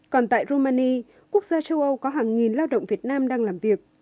còn tại romani quốc gia châu âu có hàng nghìn lao động việt nam đang làm việc